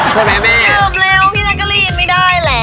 กวบเร็วพี่นัทกรีวไม่ได้แหละ